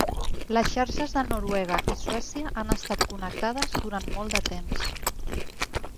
Les xarxes de Noruega i Suècia han estat connectades durant molt de temps.